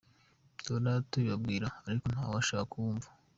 Duhora tubibabwira ariko nta wushaka kutwumva.